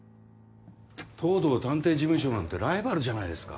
東堂探偵事務所なんてライバルじゃないですか。